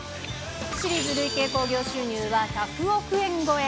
シリーズ累計興行収入は１００億円超え。